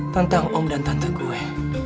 tentang om dan tante gue